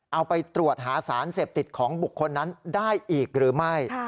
เอาไปตรวจหาสารเสพติดของบุคคลนั้นได้อีกหรือไม่